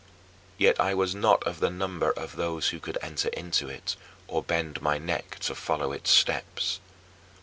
Yet I was not of the number of those who could enter into it or bend my neck to follow its steps.